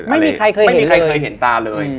ไม่มีใครเคยเห็นตาเลย